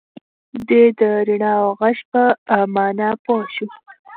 دی د رڼا او غږ په مانا پوه شو.